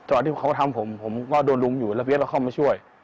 ตอนที่เขาทำผมผมก็โดนรุมอยู่แล้วพี่เอสเขาเข้ามาช่วย